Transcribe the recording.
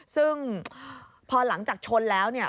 ซึ่งพอหลังจากชนแล้วเนี่ย